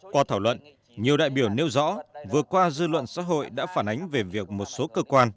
qua thảo luận nhiều đại biểu nêu rõ vừa qua dư luận xã hội đã phản ánh về việc một số cơ quan